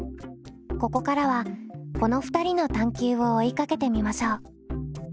ここからはこの２人の探究を追いかけてみましょう。